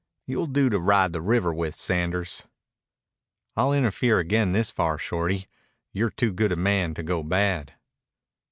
You'll do to ride the river with, Sanders." "I'll interfere again this far, Shorty. You're too good a man to go bad."